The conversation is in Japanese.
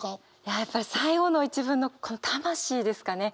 やっぱり最後の一文の「魂」ですかね。